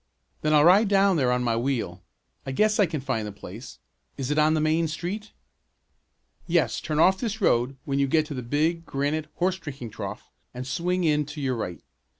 "Then I'll ride down there on my wheel. I guess I can find the place. Is it on the main street?" "Yes, turn off this road when you get to the big granite horse drinking trough and swing in to your right.